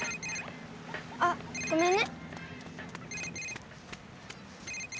あっごめんね。